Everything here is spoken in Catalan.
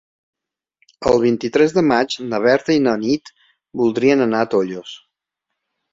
El vint-i-tres de maig na Berta i na Nit voldrien anar a Tollos.